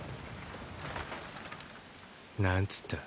何つった？